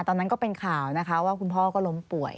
ตอนนั้นก็เป็นข่าวนะคะว่าคุณพ่อก็ล้มป่วย